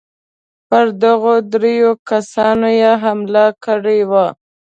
پر دغو درېو کسانو یې حمله کړې وه.